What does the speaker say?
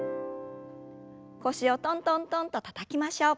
腰をトントントンとたたきましょう。